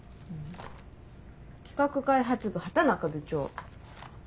企画開発部畑中部長。